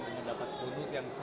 dengan dapat bonus yang